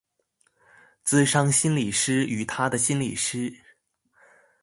諮商心理師與她的心理師